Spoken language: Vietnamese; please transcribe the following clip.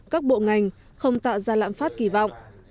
các bộ ngành không tạo ra lãm phát kỳ vọng